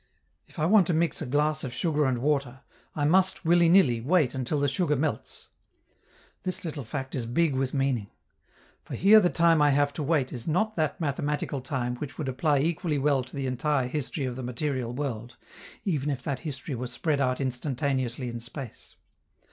If I want to mix a glass of sugar and water, I must, willy nilly, wait until the sugar melts. This little fact is big with meaning. For here the time I have to wait is not that mathematical time which would apply equally well to the entire history of the material world, even if that history were spread out instantaneously in space.